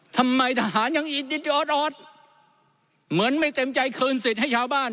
ทำไมทหารยังอีดดิดออดเหมือนไม่เต็มใจคืนสิทธิ์ให้ชาวบ้าน